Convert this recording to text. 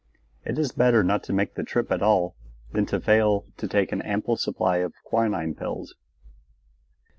It is better not to make the trip at all than to fail to take an ample supply of quinine pills.